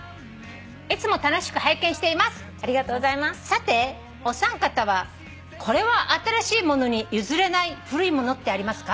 「さてお三方はこれは新しいものに譲れない古い物ってありますか？」